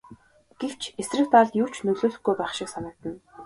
Гэвч эсрэг талд юу ч нөлөөлөхгүй байх шиг санагдана.